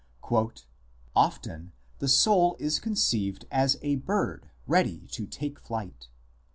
" Often the soul is conceived as a bird ready to take flight.